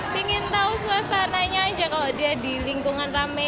pengen tahu suasananya aja kalau dia di lingkungan rame